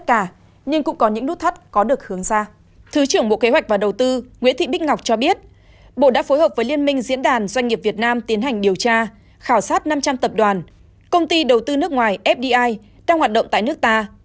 các doanh nghiệp việt nam tiến hành điều tra khảo sát năm trăm linh tập đoàn công ty đầu tư nước ngoài fdi đang hoạt động tại nước ta